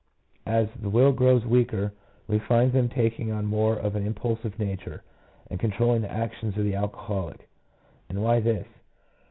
As the will grows weaker we find them taking on more of an impulsive nature, and control ling the actions of the alcoholic. And why this